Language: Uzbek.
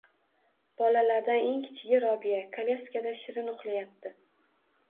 Bolalardan eng kichigi — Robiya kolyaskada shirin uxlayapti.